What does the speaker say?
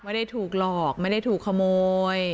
ไม่ได้ถูกหลอกไม่ได้ถูกขโมย